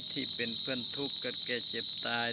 ที่เป็นเพื่อนทุกข์กับแกเจ็บตาย